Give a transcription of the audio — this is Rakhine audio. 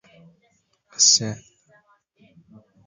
အဆင့်